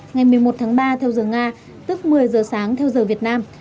ngày một mươi một tháng ba theo giờ nga tức một mươi giờ sáng theo giờ việt nam